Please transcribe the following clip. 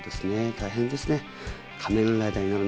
大変ですね。